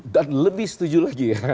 dan lebih setuju lagi ya